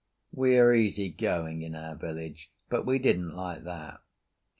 We are easy going in our village, but we didn't like that.